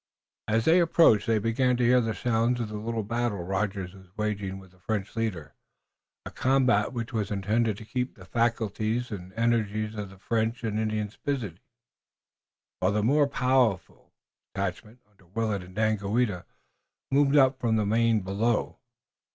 As they approached they began to hear the sounds of the little battle Rogers was waging with the French leader, a combat which was intended to keep the faculties and energies of the French and Indians busy, while the more powerful detachment under Willet and Daganoweda moved up for the main blow.